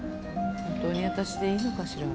本当に私でいいのかしら？